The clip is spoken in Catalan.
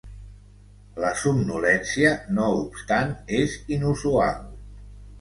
La somnolència, no obstant, és inusual.